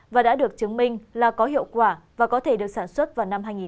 và đã được chứng minh là có hiệu quả và có thể được sản xuất vào năm hai nghìn ba mươi